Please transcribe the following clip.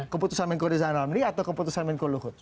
keputusan menko rizal ramli atau keputusan menko luhut